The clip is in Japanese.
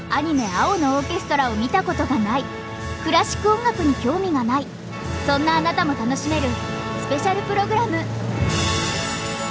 「青のオーケストラ」を見たことがないクラシック音楽に興味がないそんなあなたも楽しめるスペシャルプログラム。